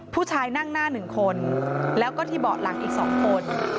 ผู้ชายนั่งหน้า๑คนแล้วก็ที่เบาะหลังอีก๒คน